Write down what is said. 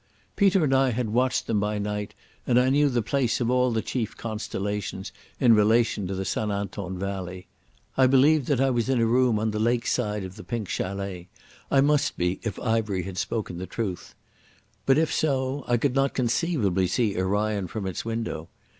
Peter and I had watched them by night, and I knew the place of all the chief constellations in relation to the St Anton valley. I believed that I was in a room on the lake side of the Pink Chalet: I must be, if Ivery had spoken the truth. But if so, I could not conceivably see Orion from its window....